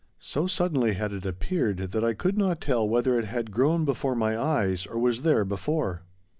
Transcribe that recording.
So suddenly had it appeared that I could not tell whether it had grown before my eyes or was there before.